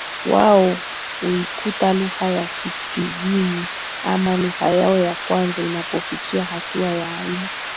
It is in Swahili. wao huikuta lugha ya kipijini ama lugha yao ya kwanza Inapofikia hatua ya aina